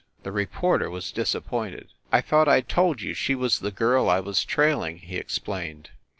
The reporter was disappointed. "I thought I told you she was the girl I was trail ing," he explained.